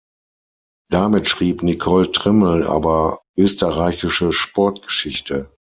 Damit schrieb Nicole Trimmel aber österreichische Sportgeschichte.